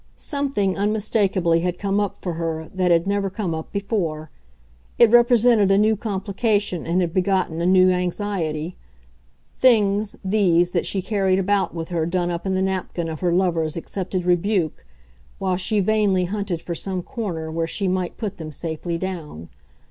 Something, unmistakably, had come up for her that had never come up before; it represented a new complication and had begotten a new anxiety things, these, that she carried about with her done up in the napkin of her lover's accepted rebuke, while she vainly hunted for some corner where she might put them safely down.